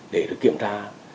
để kiểm tra